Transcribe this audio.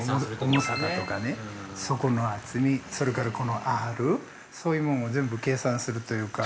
◆重さだとかね、底の厚み、それからこのアールそういうもんを全部計算するというか。